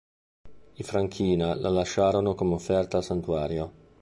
I Franchina la lasciarono come offerta al santuario.